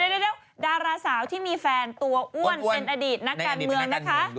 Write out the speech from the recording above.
เดี๋ยวดาราสาวที่มีแฟนตัวอ้วนเป็นอดีตนักการเมืองนะคะ